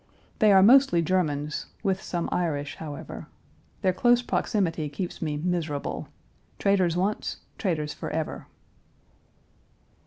They are mostly Germans, with some Irish, however. Their close proximity keeps me miserable. Traitors once, traitors forever.